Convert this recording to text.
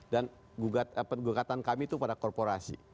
dan gugatan kami itu pada korporasi